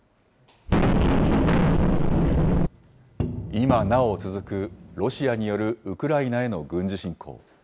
今なお続く、ロシアによるウクライナへの軍事侵攻。